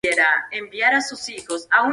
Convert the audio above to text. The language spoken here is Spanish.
Su capital era Stuttgart.